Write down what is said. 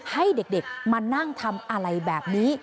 ให้เด็กมานั่งทำอะไรแบบนี้